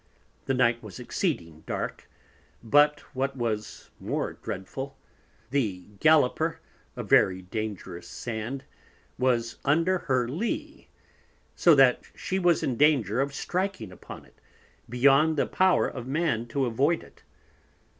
The Night was exceeding dark, but what was more Dreadful, the Galloper, a very dangerous Sand, was under her Lee; so that she was in Danger of striking upon it, beyond the Power of Man to avoid it.